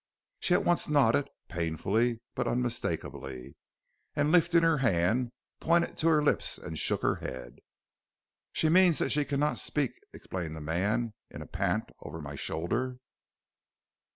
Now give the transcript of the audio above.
"She at once nodded painfully but unmistakably, and, lifting her hand, pointed to her lips and shook her head. "'She means that she cannot speak', explained the man, in a pant, over my shoulder.